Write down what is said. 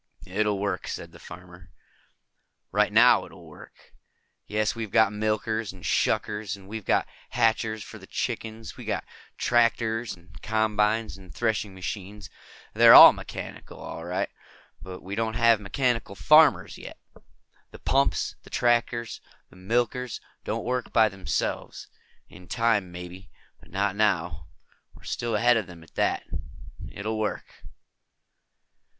"It'll work," said the farmer. "Right now, it'll work. Yes, we've got milkers and shuckers, and we've got hatchers for the chickens. We've got tractors and combines and threshing machines. They're all mechanical, all right. But we don't have mechanical farmers, yet. The pumps, the tractors, the milkers don't work by themselves. In time, maybe. Not now. We're still ahead of them on that. It'll work."